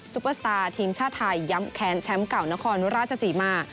เปอร์สตาร์ทีมชาติไทยย้ำแค้นแชมป์เก่านครราชศรีมา